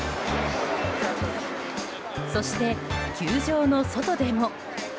そして、球場の外でも。